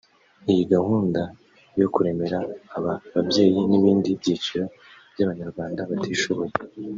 Iyi gahunda yo kuremera aba babyeyi n’ibindi byiciro by’Abanyarwanda batishoboye